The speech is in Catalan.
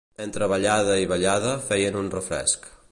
Entre ballada i ballada feien un refresc.